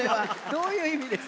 どういう意味ですか？